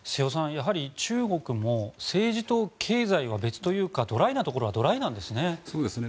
やはり、中国も政治と経済は別というかドライなところはドライなんですね。